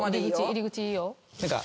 入り口いいよ。